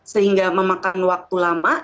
sehingga memakan waktu lama